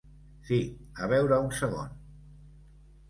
Si, a veure un segon.